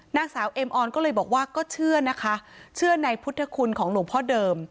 นางสาวเอ็มออนก็เลยบอกว่าก็เชื่อนะคะเชื่อในพุทธคุณของหลวงพ่อเดิม